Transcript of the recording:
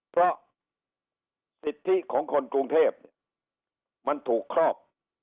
เพราะสิทธิของคนกรุงเทพเนี่ยมันถูกครอบ